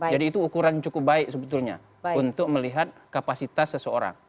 jadi itu ukuran cukup baik sebetulnya untuk melihat kapasitas seseorang